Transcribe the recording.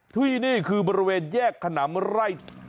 ที่นี่คือบริเวณแยกขนำไร่